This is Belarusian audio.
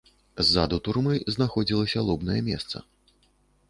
Ззаду турмы знаходзілася лобнае месца.